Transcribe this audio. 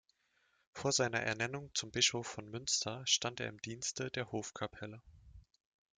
Vor seiner Ernennung zum Bischof von Münster stand er im Dienste der Hofkapelle.